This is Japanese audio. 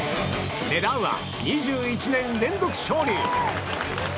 狙うは２１年連続勝利。